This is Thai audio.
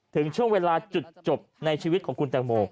ถึงช่วงเวลาจุดจบในชีวิตของคุณแตงโม